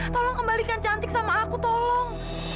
tolong kembalikan cantik sama aku tolong